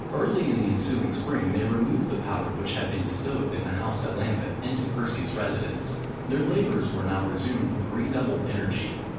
Early in the ensuing spring, they removed the powder which had been stowed in the house at Lambeth, into Percy's residence. Their labours were now resumed with redoubled energy.